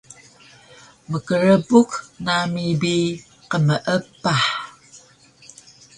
mkrbuk nami bi qmeepah